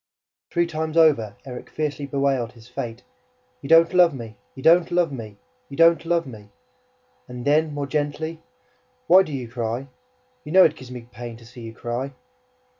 Three times over, Erik fiercely bewailed his fate: "You don't love me! You don't love me! You don't love me!" And then, more gently: "Why do you cry? You know it gives me pain to see you cry!"